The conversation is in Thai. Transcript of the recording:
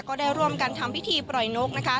ก็ได้ร่วมกันทำพิธีปล่อยนกนะคะ